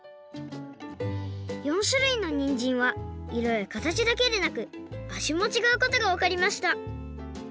４しゅるいのにんじんはいろやかたちだけでなくあじもちがうことがわかりました